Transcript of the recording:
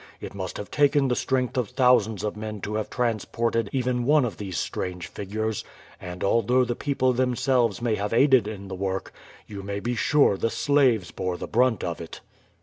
It must have taken the strength of thousands of men to have transported even one of these strange figures, and although the people themselves may have aided in the work, you may be sure the slaves bore the brunt of it."